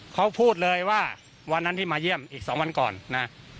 เขาพูดเลยว่าวันนั้นที่มาเยี่ยมอีก๒วันก่อนนะ